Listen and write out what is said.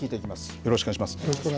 よろしくお願いします。